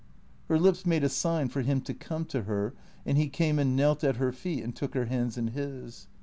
Her lips made a sign for him to come to her, and he came and knelt at her feet and took her hands in his.